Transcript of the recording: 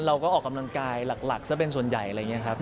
ออกกำลังกายหลักซะเป็นส่วนใหญ่อะไรอย่างนี้ครับ